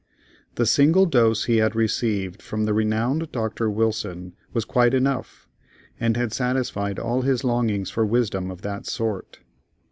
The single dose he had received from the renowned Doctor Wilson was quite enough, and had satisfied all his longings for wisdom of that sort.